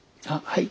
はい。